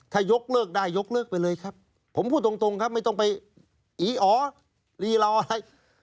ถ้ายกเลิกได้ยกเลิกไปเลยครับผมพูดตรงครับไม่ต้องไปอีอ๋อลีลาวอะไร